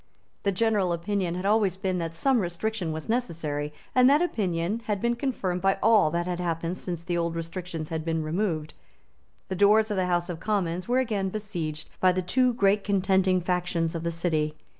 The general opinion had always been that some restriction was necessary; and that opinion had been confirmed by all that had happened since the old restrictions had been removed. The doors of the House of Commons were again besieged by the two great contending factions of the City.